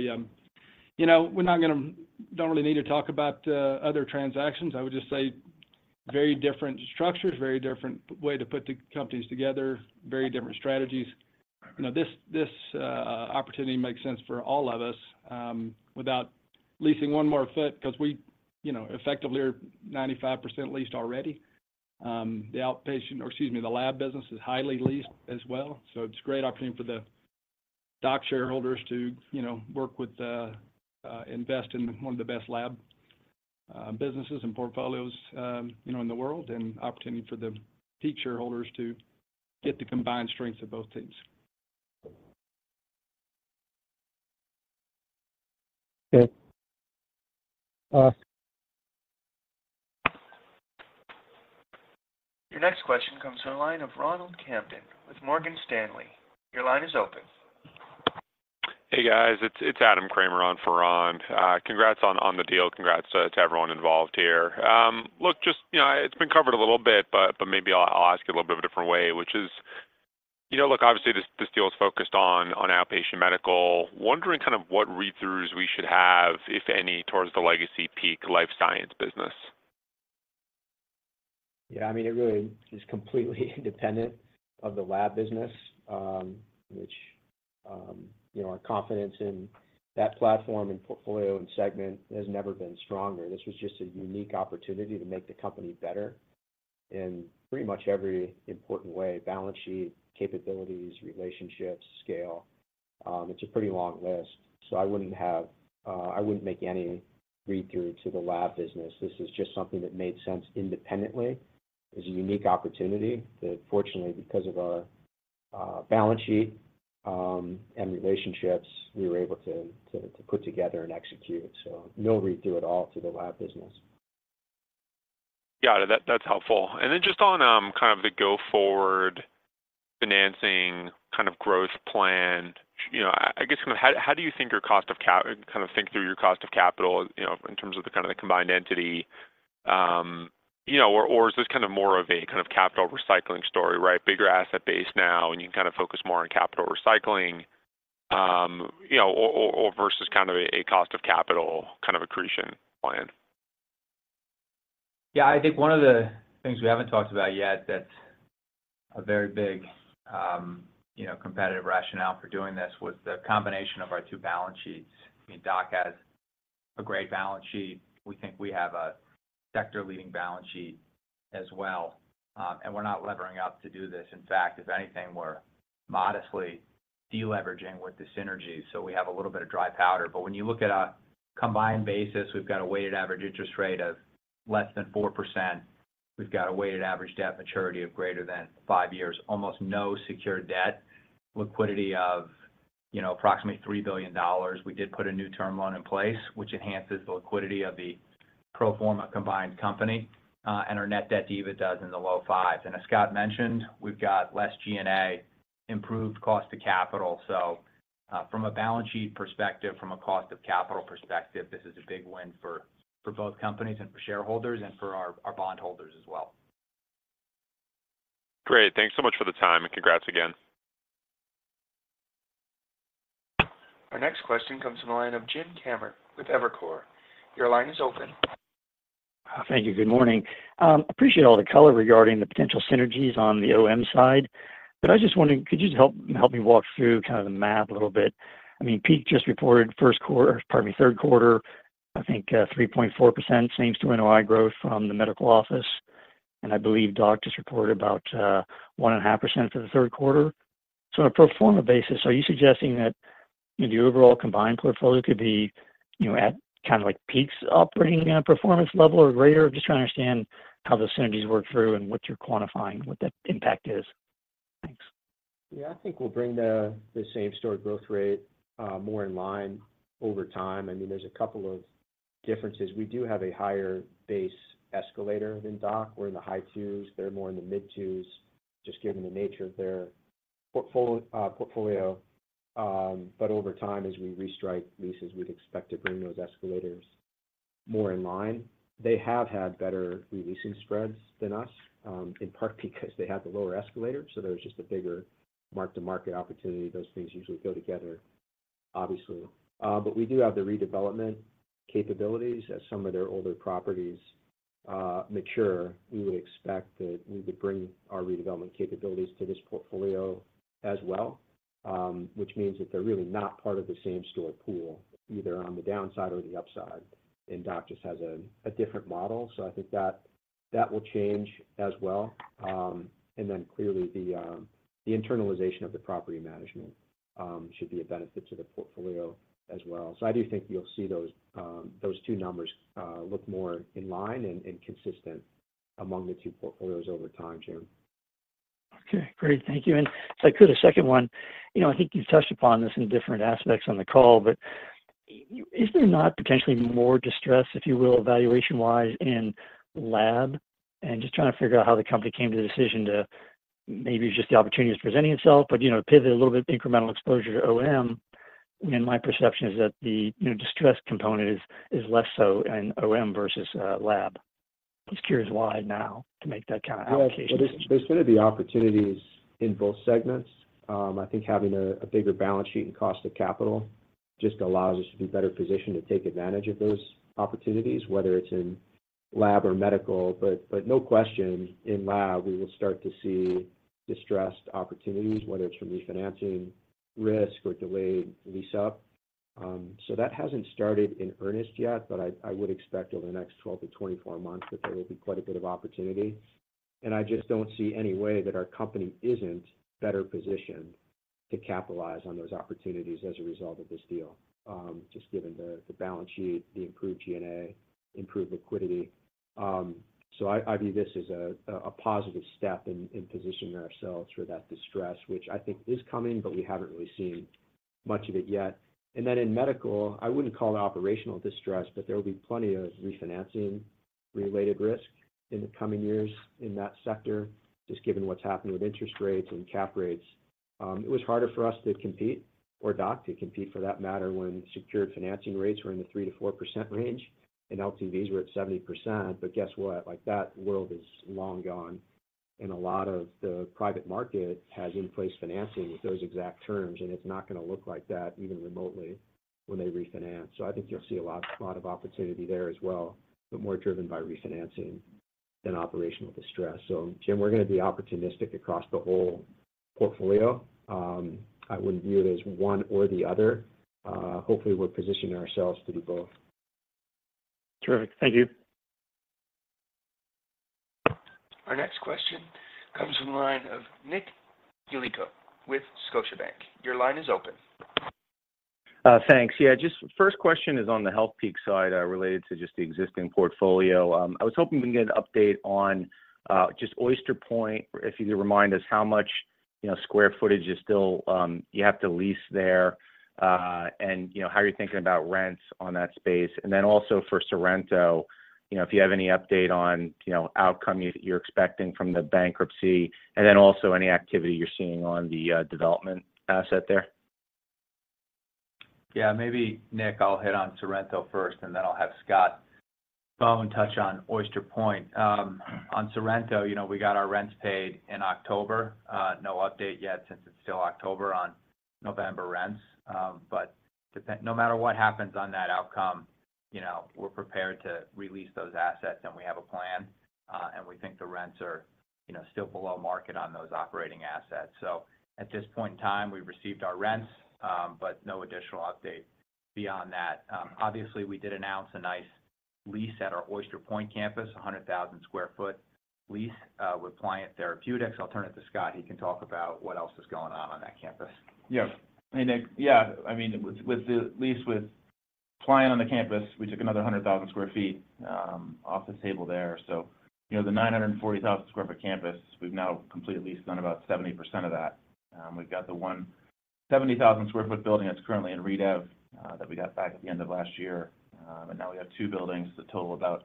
you know, we're not gonna—don't really need to talk about other transactions. I would just say very different structures, very different way to put the companies together, very different strategies. You know, this, this opportunity makes sense for all of us, without leasing one more foot, 'cause we, you know, effectively are 95% leased already. The outpatient, or excuse me, the lab business is highly leased as well, so it's a great opportunity for the DOC shareholders to, you know, work with the, invest in one of the best lab businesses and portfolios, you know, in the world, and opportunity for the PEAK shareholders to get the combined strengths of both teams. Okay. Uh... Your next question comes from the line of Ronald Kamdem with Morgan Stanley. Your line is open. Hey, guys. It's Adam Kramer on for Ron. Congrats on the deal. Congrats to everyone involved here. Look, just, you know, it's been covered a little bit, but maybe I'll ask you a little bit of a different way, which is, you know, look, obviously, this deal is focused on outpatient medical. Wondering kind of what read-throughs we should have, if any, towards the legacy PEAK life science business? Yeah, I mean, it really is completely independent of the lab business, which, you know, our confidence in that platform and portfolio and segment has never been stronger. This was just a unique opportunity to make the company better in pretty much every important way: balance sheet, capabilities, relationships, scale. It's a pretty long list. So I wouldn't have, I wouldn't make any read-through to the lab business. This is just something that made sense independently. It's a unique opportunity that fortunately, because of our, balance sheet, and relationships, we were able to put together and execute. So no read-through at all to the lab business. Got it. That's helpful. Then just on, kind of the go-forward financing, kind of growth plan, you know, I guess kind of how, how do you think your cost of cap- kind of think through your cost of capital, you know, in terms of the kind of the combined entity? You know, or is this kind of more of a kind of capital recycling story, right? Bigger asset base now, and you can kind of focus more on capital recycling, you know, or, or versus kind of a, a cost of capital kind of accretion plan. Yeah, I think one of the things we haven't talked about yet that's a very big, you know, competitive rationale for doing this, was the combination of our two balance sheets. I mean, DOC has a great balance sheet. We think we have a sector-leading balance sheet as well, and we're not levering up to do this. In fact, if anything, we're modestly de-leveraging with the synergy, so we have a little bit of dry powder. But when you look at a combined basis, we've got a weighted average interest rate of less than 4%. We've got a weighted average debt maturity of greater than five years, almost no secured debt, liquidity of, you know, approximately $3 billion. We did put a new term loan in place, which enhances the liquidity of the pro forma combined company, and our net debt to EBITDA is in the low fives. And as Scott mentioned, we've got less G&A, improved cost to capital. So, from a balance sheet perspective, from a cost of capital perspective, this is a big win for, for both companies and for shareholders and for our, our bondholders as well. Great. Thanks so much for the time, and congrats again. Our next question comes from the line of Jim Kammert with Evercore. Your line is open. Thank you. Good morning. Appreciate all the color regarding the potential synergies on the OM side, but I was just wondering, could you just help me walk through kind of the math a little bit? I mean, PEAK just reported third quarter, I think, 3.4% same-store NOI growth from the medical office, and I believe DOC just reported about 1.5% for the third quarter. On a pro forma basis, are you suggesting that the overall combined portfolio could be, you know, at kind of like PEAK's operating performance level or greater? Just trying to understand how the synergies work through and what you're quantifying, what the impact is. Thanks. Yeah, I think we'll bring the same-store growth rate more in line over time. I mean, there's a couple of differences. We do have a higher base escalator than DOC. We're in the high twos, they're more in the mid twos, just given the nature of their portfolio. But over time, as we restrike leases, we'd expect to bring those escalators more in line. They have had better re-leasing spreads than us, in part because they have the lower escalator, so there's just a bigger mark-to-market opportunity. Those things usually go together, obviously. But we do have the redevelopment capabilities. As some of their older properties mature, we would expect that we would bring our redevelopment capabilities to this portfolio as well, which means that they're really not part of the same-store pool, either on the downside or the upside, and DOC just has a different model. So I think that will change as well. And then clearly, the internalization of the property management should be a benefit to the portfolio as well. So I do think you'll see those two numbers look more in line and consistent among the two portfolios over time, Jim. Okay, great. Thank you. And if I could, a second one. You know, I think you've touched upon this in different aspects on the call, but is there not potentially more distress, if you will, valuation-wise in lab? And just trying to figure out how the company came to the decision to maybe just the opportunity is presenting itself, but, you know, to pivot a little bit incremental exposure to OM, and my perception is that the, you know, distress component is less so in OM versus lab. Just curious why now to make that kind of allocation? Yeah. There's been the opportunities in both segments. I think having a bigger balance sheet and cost of capital just allows us to be better positioned to take advantage of those opportunities, whether it's in lab or medical. But no question, in lab, we will start to see distressed opportunities, whether it's from refinancing risk or delayed lease-up. So that hasn't started in earnest yet, but I would expect over the next 12-24 months that there will be quite a bit of opportunity. And I just don't see any way that our company isn't better positioned to capitalize on those opportunities as a result of this deal, just given the balance sheet, the improved G&A, improved liquidity. So I view this as a positive step in positioning ourselves for that distress, which I think is coming, but we haven't really seen much of it yet. And then in medical, I wouldn't call it operational distress, but there will be plenty of refinancing-related risk in the coming years in that sector, just given what's happening with interest rates and cap rates. It was harder for us to compete, or DOC to compete, for that matter, when secured financing rates were in the 3%-4% range and LTVs were at 70%. But guess what? Like, that world is long gone, and a lot of the private market has in-place financing with those exact terms, and it's not gonna look like that even remotely when they refinance. So I think you'll see a lot, a lot of opportunity there as well, but more driven by refinancing than operational distress. So Jim, we're gonna be opportunistic across the whole portfolio. I wouldn't view it as one or the other. Hopefully, we're positioning ourselves to do both. Terrific. Thank you. Our next question comes from the line of Nick Yulico with Scotiabank. Your line is open. Thanks. Yeah, just first question is on the Healthpeak side, related to just the existing portfolio. I was hoping we can get an update on, just Oyster Point. If you could remind us how much, you know, square footage is still, you have to lease there, and, you know, how you're thinking about rents on that space. And then also for Sorrento, you know, if you have any update on, you know, outcome you're expecting from the bankruptcy, and then also any activity you're seeing on the, development asset there? Yeah, maybe Nick, I'll hit on Sorrento first, and then I'll have Scott Bohn touch on Oyster Point. You know, on Sorrento, we got our rents paid in October. No update yet, since it's still October, on November rents. But no matter what happens on that outcome, you know, we're prepared to release those assets, and we have a plan. And we think the rents are, you know, still below market on those operating assets. At this point in time, we've received our rents, but no additional update beyond that. Obviously, we did announce a nice lease at our Oyster Point campus, a 100,000 sq ft lease with Pliant Therapeutics. I'll turn it to Scott. He can talk about what else is going on, on that campus. Yeah. Hey, Nick. Yeah, I mean, with, with the lease with Pliant on the campus, we took another 100,000 sq ft off the table there. So, you know, the 940,000 sq ft campus, we've now completely leased on about 70% of that. We've got the 170,000 sq ft building that's currently in redev that we got back at the end of last year. And now we have two buildings that total about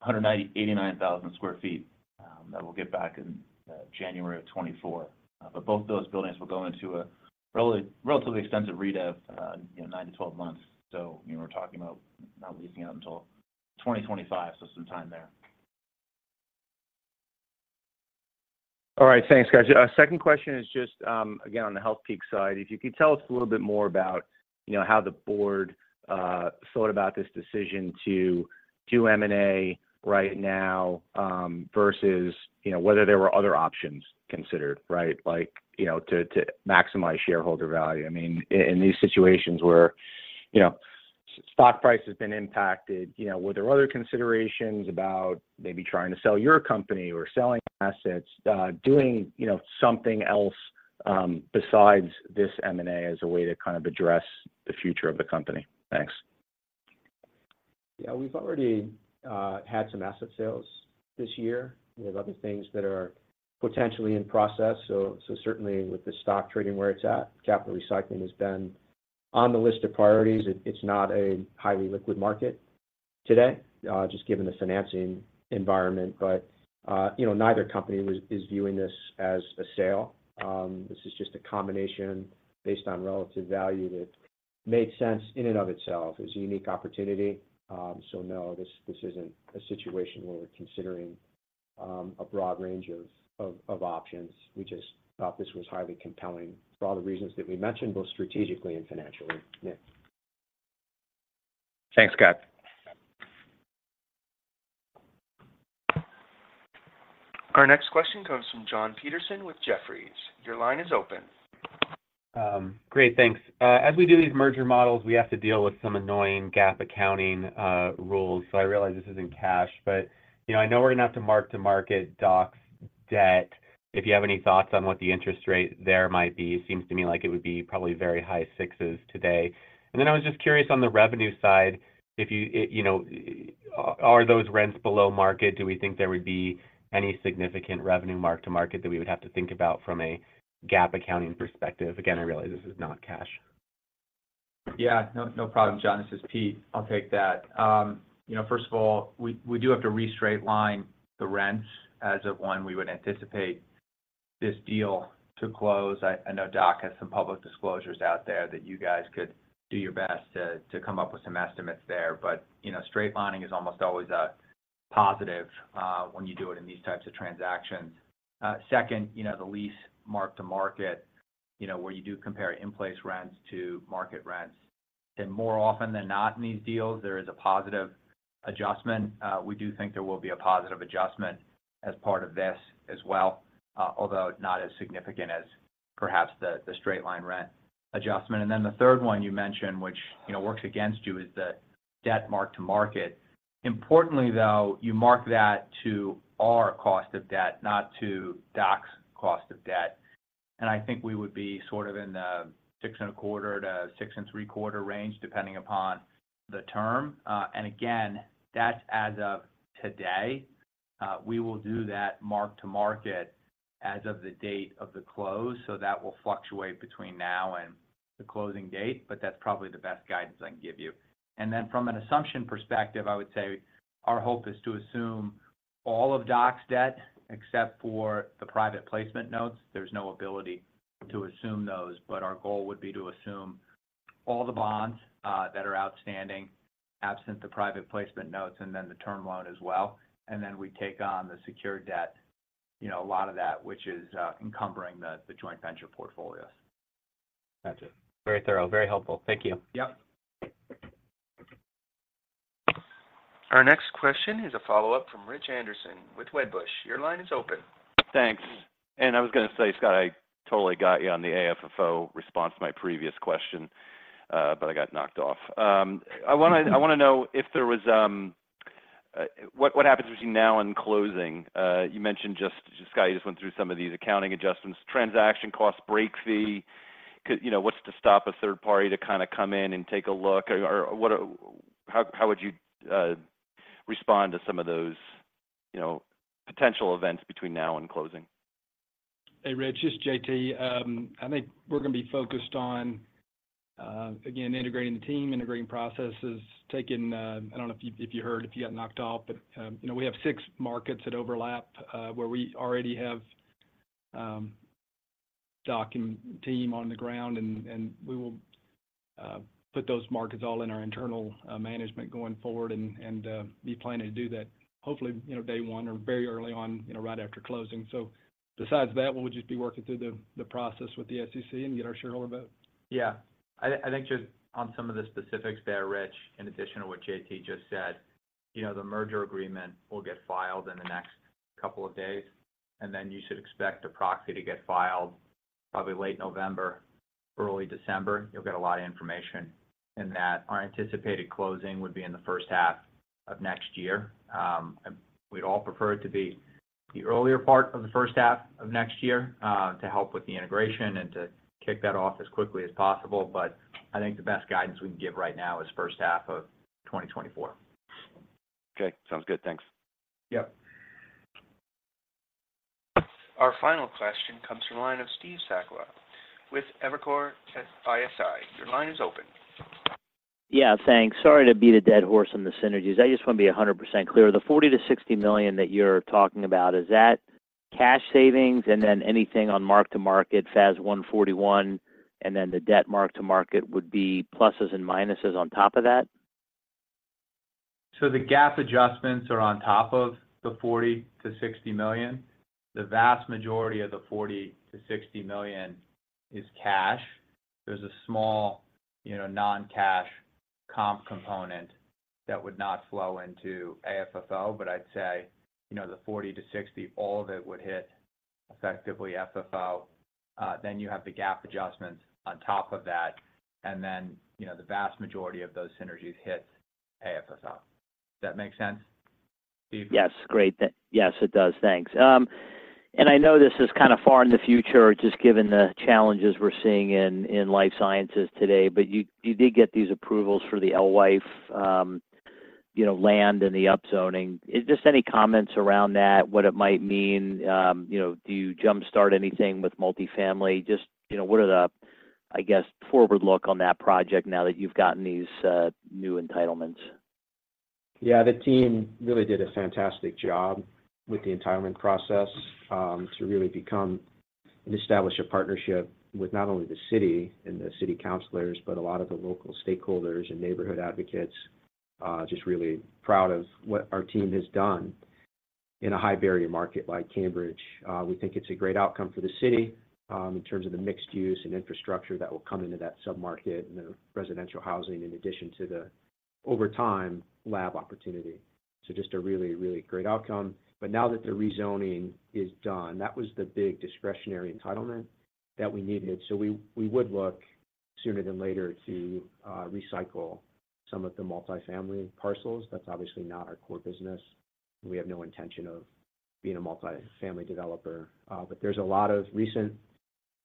189,000 sq ft that we'll get back in January of 2024. But both of those buildings will go into a relatively, relatively extensive redev, you know, nine-12 months. So, you know, we're talking about not leasing it out until 2025, so some time there. All right. Thanks, guys. Second question is just, again, on the Healthpeak side. If you could tell us a little bit more about, you know, how the board thought about this decision to do M&A right now versus, you know, whether there were other options considered, right? Like, you know, to maximize shareholder value. I mean, in these situations where, you know, stock price has been impacted, you know, were there other considerations about maybe trying to sell your company or selling assets, doing, you know, something else, besides this M&A as a way to kind of address the future of the company? Thanks. Yeah, we've already had some asset sales this year. We have other things that are potentially in process. So certainly with the stock trading where it's at, capital recycling has been on the list of priorities. It's not a highly liquid market today, just given the financing environment. But, you know, neither company is viewing this as a sale. This is just a combination based on relative value that made sense in and of itself. It's a unique opportunity. So no, this isn't a situation where we're considering a broad range of options. We just thought this was highly compelling for all the reasons that we mentioned, both strategically and financially. Nick? Thanks, Scott. Our next question comes from Jon Petersen with Jefferies. Your line is open. Great, thanks. As we do these merger models, we have to deal with some annoying GAAP accounting rules. So I realize this is in cash, but, you know, I know we're gonna have to mark-to-market DOC's debt. If you have any thoughts on what the interest rate there might be? It seems to me like it would be probably very high sixes today. And then I was just curious on the revenue side, if you, you know, are those rents below market, do we think there would be any significant revenue mark-to-market that we would have to think about from a GAAP accounting perspective? Again, I realize this is not cash. Yeah. No, no problem, Jon. This is Pete. I'll take that. You know, first of all, we do have to re-straight-line the rents as of when we would anticipate this deal to close. I know DOC has some public disclosures out there that you guys could do your best to come up with some estimates there. But, you know, straight lining is almost always a positive, you know, when you do it in these types of transactions. Second, you know, the lease mark-to-market, you know, where you do compare in-place rents to market rents, and more often than not, in these deals, there is a positive adjustment. We do think there will be a positive adjustment as part of this as well, although not as significant as perhaps the straight-line rent adjustment. The third one you mentioned, which, you know, works against you, is the debt mark-to-market. Importantly, though, you mark that to our cost of debt, not to DOC's cost of debt. I think we would be sort of in the 6.25%-6.75% range, depending upon the term. Again, that's as of today. We will do that mark-to-market as of the date of the close, so that will fluctuate between now and the closing date, but that's probably the best guidance I can give you. From an assumption perspective, I would say our hope is to assume all of DOC's debt, except for the private placement notes. There's no ability to assume those, but our goal would be to assume all the bonds that are outstanding, absent the private placement notes, and then the term loan as well. And then we take on the secured debt, you know, a lot of that, which is encumbering the joint venture portfolios. Gotcha. Very thorough, very helpful. Thank you. Yep. Our next question is a follow-up from Rich Anderson with Wedbush. Your line is open. Thanks. I was gonna say, Scott, I totally got you on the AFFO response to my previous question, but I got knocked off. I wanna know if there was, what happens between now and closing? You mentioned just, Scott, you just went through some of these accounting adjustments, transaction costs, break fee. You know, what's to stop a third party to kind of come in and take a look? Or, how would you respond to some of those, you know, potential events between now and closing? Hey, Rich, it's JT. I think we're gonna be focused on again, integrating the team, integrating processes, taking... I don't know if you, if you heard, if you got knocked off, but, you know, we have six markets that overlap, where we already have-... docking team on the ground, and we will put those markets all in our internal management going forward and be planning to do that hopefully, you know, day one or very early on, you know, right after closing. So besides that, we'll just be working through the process with the SEC and get our shareholder vote. Yeah. I think just on some of the specifics there, Rich, in addition to what J.T. just said, you know, the merger agreement will get filed in the next couple of days, and then you should expect a proxy to get filed probably late November, early December. You'll get a lot of information in that. Our anticipated closing would be in the first half of next year. We’d all prefer it to be the earlier part of the first half of next year, to help with the integration and to kick that off as quickly as possible. I think the best guidance we can give right now is first half of 2024. Okay. Sounds good. Thanks. Yep. Our final question comes from the line of Steve Sakwa with Evercore ISI. Your line is open. Yeah, thanks. Sorry to beat a dead horse on the synergies. I just wanna be 100% clear. The $40 million-$60 million that you're talking about, is that cash savings, and then anything on mark-to-market, FAS 141, and then the debt mark-to-market would be pluses and minuses on top of that? So the GAAP adjustments are on top of the $40 million-$60 million. The vast majority of the $40 million-$60 million is cash. There's a small, you know, non-cash comp component that would not flow into AFFO, but I'd say, you know, the $40 million-$60 million, all of it would hit effectively AFFO. Then you have the GAAP adjustments on top of that, and then, you know, the vast majority of those synergies hit AFFO. Does that make sense, Steve? Yes, great. Yes, it does. Thanks. And I know this is kind of far in the future, just given the challenges we're seeing in life sciences today, but you did get these approvals for the Alewife land and the upzoning. Any comments around that, what it might mean? You know, do you jumpstart anything with multifamily? Just, you know, what are the, I guess, forward look on that project now that you've gotten these new entitlements? Yeah, the team really did a fantastic job with the entitlement process, to really become and establish a partnership with not only the city and the city councilors, but a lot of the local stakeholders and neighborhood advocates. Just really proud of what our team has done in a high-barrier market like Cambridge. We think it's a great outcome for the city, in terms of the mixed use and infrastructure that will come into that submarket and the residential housing, in addition to the, over time, lab opportunity. So just a really, really great outcome. But now that the rezoning is done, that was the big discretionary entitlement that we needed. So we, we would look sooner than later to, recycle some of the multifamily parcels. That's obviously not our core business, and we have no intention of being a multifamily developer. But there's a lot of recent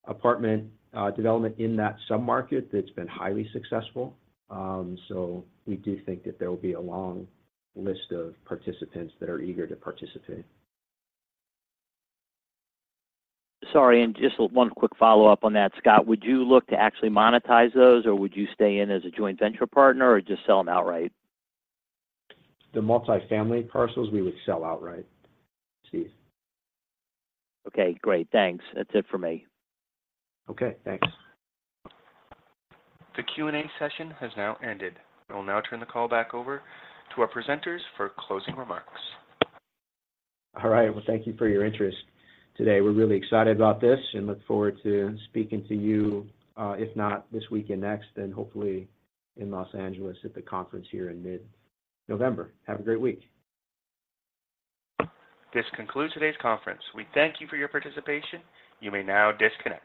apartment development in that submarket that's been highly successful. So we do think that there will be a long list of participants that are eager to participate. Sorry, and just one quick follow-up on that. Scott, would you look to actually monetize those, or would you stay in as a joint venture partner or just sell them outright? The multifamily parcels, we would sell outright, Steve. Okay, great. Thanks. That's it for me. Okay, thanks. The Q&A session has now ended. I will now turn the call back over to our presenters for closing remarks. All right. Well, thank you for your interest today. We're really excited about this and look forward to speaking to you, if not this week and next, then hopefully in Los Angeles at the conference here in mid-November. Have a great week. This concludes today's conference. We thank you for your participation. You may now disconnect.